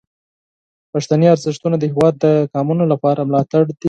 پښتني ارزښتونه د هیواد د قومونو لپاره ملاتړ دي.